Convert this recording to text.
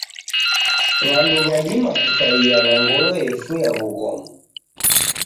Wandu wadima kukaia na ngolo yefuya wughoma.